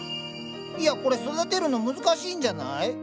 いやこれ育てるの難しいんじゃない？